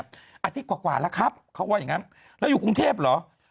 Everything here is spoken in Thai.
อาทิตย์กว่าแล้วครับเขาว่าอย่างนั้นแล้วอยู่กรุงเทพเหรอ